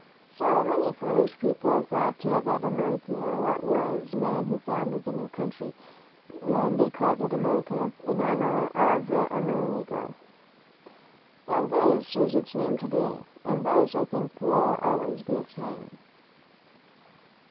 So many foolish people thought that Amerigo was the man who found the new country, and they called it America, in honor of Amerigo. And this is its name to day; and this, I think, will always be its name.